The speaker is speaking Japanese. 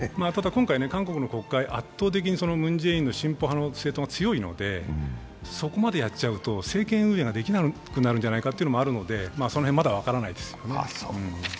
今回韓国の国会、圧倒的にムン・ジェインの進歩派が強いのでそこまでやっちゃうと政権運営ができなくなっちゃうのではないかというのがあるので、その辺、まだ分からないですよね。